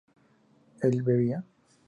¿él bebía?